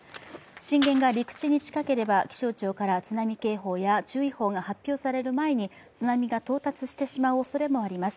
震源が陸地に近ければ、気象庁から津波警報や注意報が発表される前に、津波が到達してしまうおそれもあります。